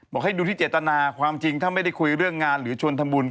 ให้ดูที่เจตนาความจริงถ้าไม่ได้คุยเรื่องงานหรือชวนทำบุญ